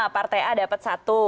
partai a dapat satu